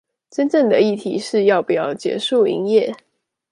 真正的議題是要不要結束營業